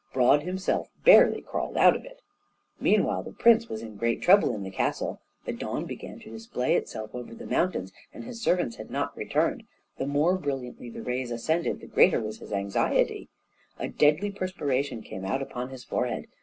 Broad himself barely crawled out of it. Meanwhile the prince was in great trouble in the castle. The dawn began to display itself over the mountains, and his servants had not returned; the more brilliantly the rays ascended, the greater was his anxiety; a deadly perspiration came out upon his forehead.